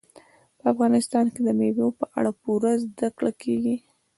په افغانستان کې د مېوو په اړه پوره زده کړه کېږي.